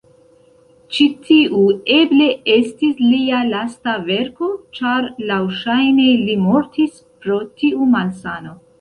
Ĉi-tiu eble estis lia lasta verko ĉar laŭŝajne li mortis pro tiu malsano.